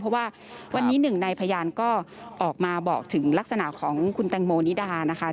เพราะว่าวันนี้หนึ่งในพยานก็ออกมาบอกถึงลักษณะของคุณแตงโมนิดานะคะ